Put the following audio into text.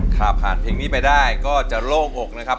ถ้าผ่านเพลงนี้ไปได้ก็จะโล่งอกนะครับ